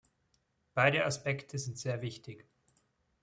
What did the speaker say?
Beide Aspekte sind sehr wichtig.